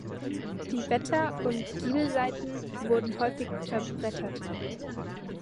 Die Wetter- und Giebelseiten wurden häufig verbrettert.